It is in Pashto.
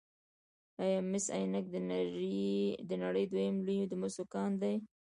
آیا مس عینک د نړۍ دویم لوی د مسو کان دی؟